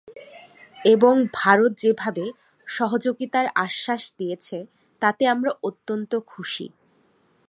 এবং ভারত যেভাবে সহযোগিতার আশ্বাস দিয়েছে তাতে আমরা অত্যন্ত খুশি।